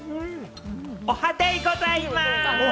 おはデイございます！